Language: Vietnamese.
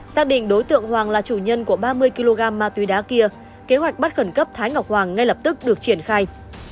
xác định đối tượng hoàng là chủ nhân của ba mươi kg ma túy đá kia kế hoạch bắt khẩn cấp thái ngọc hoàng ngay lập tức được triển khai